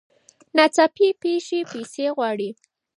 ناڅاپي پېښې پیسې غواړي.